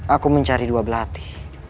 aku mencari dua blati